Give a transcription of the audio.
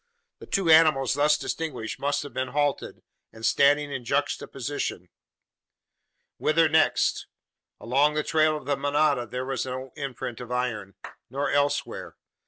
The two animals thus distinguished must have been halted, and standing in juxtaposition. Whither next? Along the trail of the manada, there was no imprint of iron; nor elsewhere!